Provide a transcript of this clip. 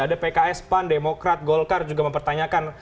ada pks pan demokrat golkar juga mempertanyakan